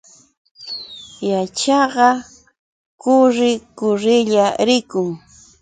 Rachakqa kuurri kurrilla rikun.